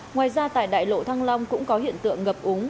ngoài ra tại đại lộ thăng long cũng có hiện tượng ngập úng